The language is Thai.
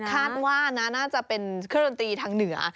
คาดว่านะน่าจะเป็นเครื่องดนตรีทางเหนือ